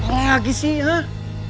lagi sih hah